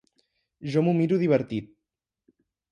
Jo m'ho miro divertit.